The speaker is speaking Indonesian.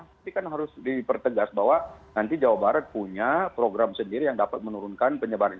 tapi kan harus dipertegas bahwa nanti jawa barat punya program sendiri yang dapat menurunkan penyebaran